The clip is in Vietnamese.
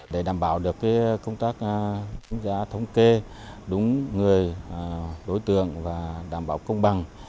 để đảm bảo được công tác đánh giá thống kê đúng người đối tượng và đảm bảo công bằng